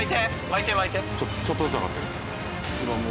ちょっとずつ上がってる。